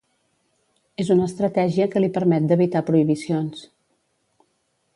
És una estratègia que li permet d’evitar prohibicions.